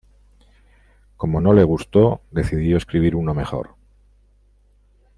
Como no le gustó, decidió escribir uno mejor.